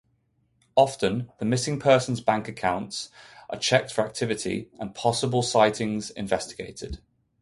Often the missing person's bank accounts are checked for activity, and possible sightings investigated.